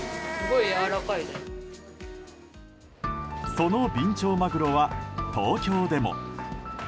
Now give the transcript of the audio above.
そのビンチョウマグロは東京でも。